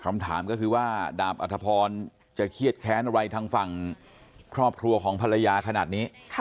คำถามก็คือว่าดาบอัธพรจะเครียดแค้นอะไรทางฝั่งครอบครัวของภรรยาขนาดนี้